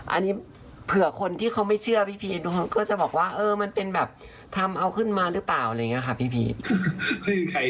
อันนี้เผื่อคนที่เขาไม่เชื่อพี่พีชก็จะบอกว่าเออมันเป็นแบบทำเอาขึ้นมาหรือเปล่าอะไรอย่างนี้ค่ะพี่พี